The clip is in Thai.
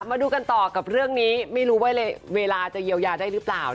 มาดูกันต่อกับเรื่องนี้ไม่รู้ว่าเวลาจะเยียวยาได้หรือเปล่า